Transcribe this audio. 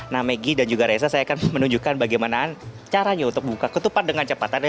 nah maggie dan juga reza saya akan menunjukkan bagaimana caranya untuk buka ketupat dengan cepat